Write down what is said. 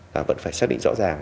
là vẫn phải xác định rõ ràng